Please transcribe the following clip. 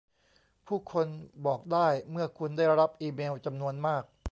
ผู้คนบอกได้เมื่อคุณได้รับอีเมลจำนวนมาก